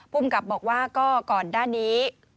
ต้องกลับบอกว่าก่อนด้านนี้